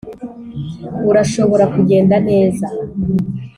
urashobora kugenda neza